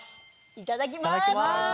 いただきます。